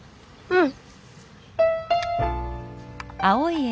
うん。